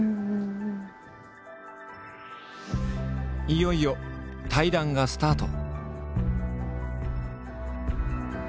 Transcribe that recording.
いよいよ対談がスタート！